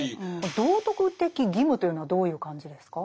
「道徳的義務」というのはどういう感じですか？